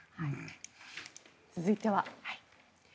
続いては。